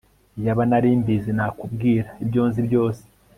Iyaba nari mbizi nakubwira ibyo nzi byose